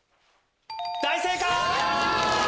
大正解！